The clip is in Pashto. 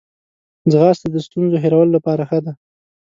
ځغاسته د ستونزو هیرولو لپاره ښه ده